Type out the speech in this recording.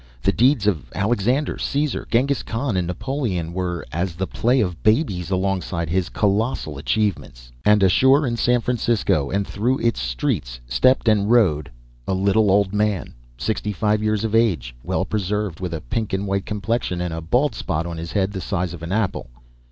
The deeds of Alexander, Caesar, Genghis Khan, and Napoleon were as the play of babes alongside his colossal achievements. And ashore in San Francisco and through its streets stepped and rode a little old man, sixty five years of age, well preserved, with a pink and white complexion and a bald spot on his head the size of an apple.